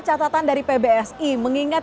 catatan dari pbsi mengingat